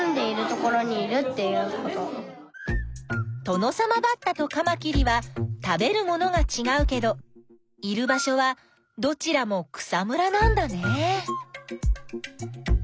トノサマバッタとカマキリは食べるものがちがうけどいる場所はどちらも草むらなんだね。